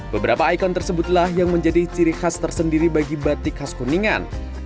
beberapa ikon tersebutlah yang menjadi ciri khas tersendiri bagi batik khas kuningan